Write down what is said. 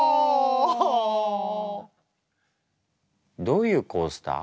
どういうコースター？